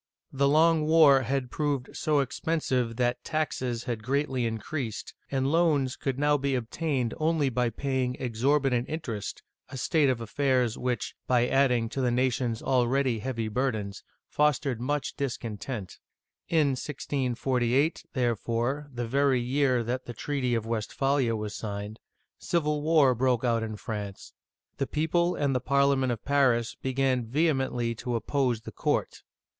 The long war had proved so expensive that taxes had greatly increased, and loans could now be obtained only by paying exorbitant interest, a state of affairs which, by adding to the nation's already heavy burdens, fostered much discontent. In 1648, therefore, the very year that the treaty of Westphalia was signed, civil war broke out in France : the people and the Parliament of Paris began vehemently to oppose the court.